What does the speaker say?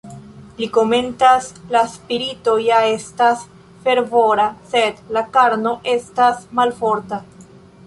Li komentas: "La spirito ja estas fervora, sed la karno estas malforta".